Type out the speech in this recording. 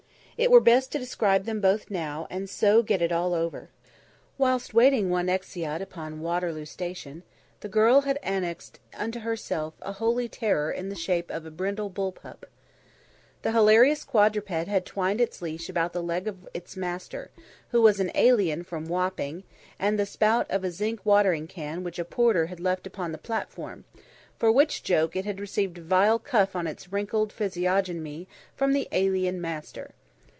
It were best to describe them both now, and so get it all over. Whilst waiting one exeat upon Waterloo station, the girl had annexed unto herself a holy terror in the shape of a brindle bull pup. The hilarious quadruped had twined its leash about one leg of its master who was an alien from Wapping and the spout of a zinc watering can which a porter had left upon the platform; for which joke it had received a vile cuff on its wrinkled physiognomy from the alien master.